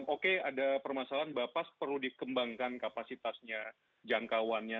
oke ada permasalahan bapak perlu dikembangkan kapasitasnya jangkauannya